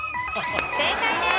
正解です。